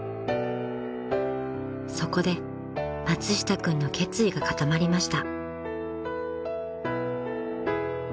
［そこで松下君の決意が固まりました］